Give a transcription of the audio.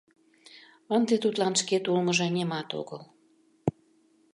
Ынде тудлан шкет улмыжо нимат огыл.